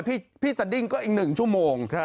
พี่สดิ้งก็อีก๑ชั่วโมง